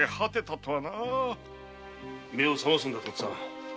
目を覚ますんだとっつぁん。